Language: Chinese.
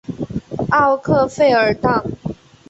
奥克弗尔当。